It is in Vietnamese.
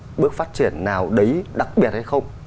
nó có bước phát triển nào đấy đặc biệt hay không